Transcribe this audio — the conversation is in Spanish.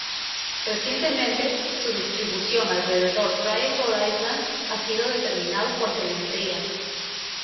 Recientemente su distribución alrededor Triangle Island ha sido determinado por telemetría.